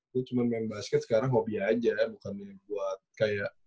gue cuma main basket sekarang hobi aja bukannya buat kayak